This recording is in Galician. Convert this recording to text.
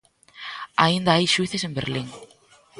Aínda hai xuíces en Berlín.